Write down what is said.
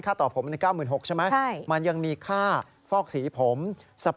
ค่าต่อผมเป็น๙๖๐๐๐ใช่ไหมมันยังมีค่าฟอกสีผมสปาผม